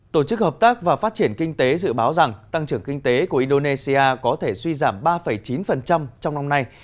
tổ chức hợp tác và phát triển kinh tế dự báo rằng tăng trưởng kinh tế của indonesia có thể suy giảm ba chín trong năm nay